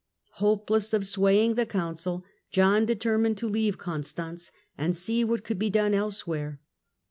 Hopeless of swaying the Council, John determined to leave Constance and see what could be done elsewhere.